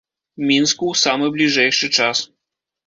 Мінску ў самы бліжэйшы час.